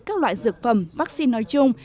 các loại dược phẩm vaccine nói chung